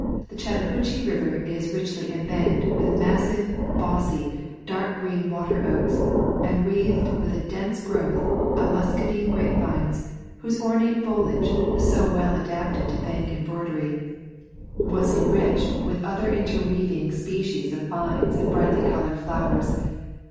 The Chattahoochee River is richly embanked with massive, bossy, dark green water oaks, and wreathed with a dense growth of muscadine grapevines, whose ornate foliage, so well adapted to bank embroidery, [47 ] A Thousand Mile Walk was enriched with other interweaving species of vines and brightly colored flowers.